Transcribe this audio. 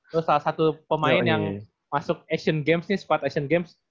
terus salah satu pemain yang masuk asian games nih squad asian games